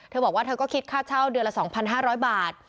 เธอบอกว่าเธอก็คิดค่าเช่าเดือนละสองพันห้าร้อยบาท